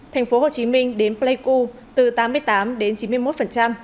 tp hcm đến pleiku từ tám mươi tám đến chín mươi một